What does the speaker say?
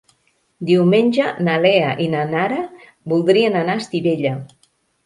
Diumenge na Lea i na Nara voldrien anar a Estivella.